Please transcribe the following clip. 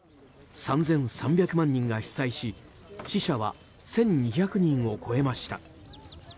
３３００万人が被災し死者は１２００人を超えました。